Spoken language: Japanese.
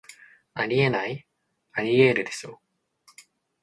あり得ない、アリエールでしょ